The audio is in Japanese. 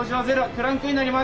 クランクインになります。